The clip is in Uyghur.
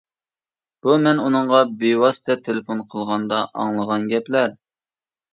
بۇ مەن ئۇنىڭغا بىۋاسىتە تېلېفون قىلغاندا ئاڭلىغان گەپلەر.